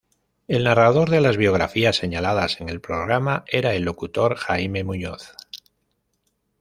El narrador de las biografías señaladas en el programa era el locutor Jaime Muñoz.